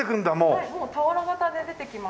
はいもう俵型で出てきます。